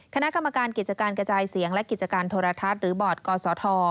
คณะกรรมการกิจการกระจายเสียงและกิจการโทรทัศน์หรือบอร์ดกศธ